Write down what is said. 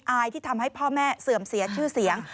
อายที่ทำให้พ่อแม่เสื่อมเสียชื่อเสียง